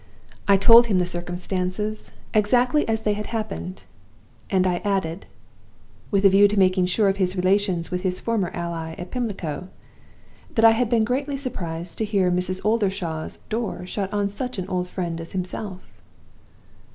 "I told him the circumstances exactly as they had happened, and I added (with a view to making sure of his relations with his former ally at Pimlico) that I had been greatly surprised to hear Mrs. Oldershaw's door shut on such an old friend as himself.